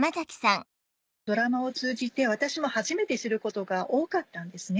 ドラマを通じて私も初めて知ることが多かったんですね。